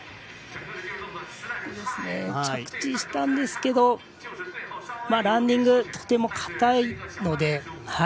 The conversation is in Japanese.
着地したんですけどランディングとてもかたいので。